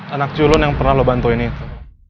anak culun yang pernah lo bantuin itu